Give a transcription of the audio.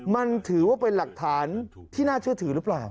มันถือว่าเป็นหลักฐานที่น่าเชื่อถือหรือเปล่า